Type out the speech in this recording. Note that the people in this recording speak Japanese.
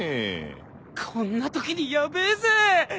こんなときにヤベえぜ。